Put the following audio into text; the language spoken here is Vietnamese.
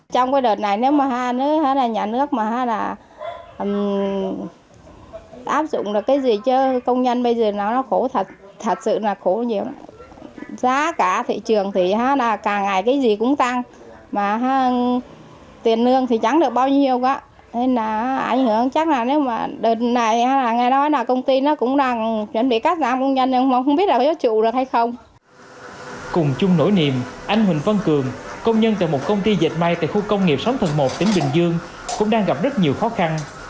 cùng chung nổi niềm anh huỳnh văn cường công nhân tại một công ty dệt may tại khu công nghiệp sống thần một tỉnh bình dương cũng đang gặp rất nhiều khó khăn